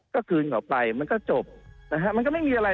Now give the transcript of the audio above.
ก็คืนเขาไปมันก็จบนะฮะมันก็ไม่มีอะไร